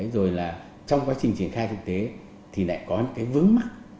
rồi là trong quá trình triển khai thực tế thì lại có những cái vướng mắt